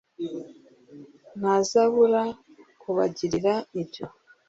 ntazabura kubagirira ibyo